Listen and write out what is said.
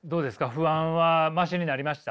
不安はマシになりました？